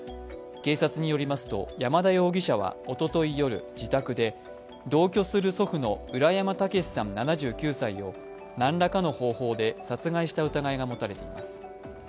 警察によりますと、山田容疑者はおととい夜、自宅で同居する祖父の浦山毅さん７９歳を何らかの方法で殺害した疑いが持たれています。